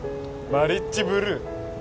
マリッジブルー？